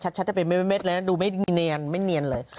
จะเป็นเม็ดแล้วดูไม่มีเนียนไม่เนียนเลย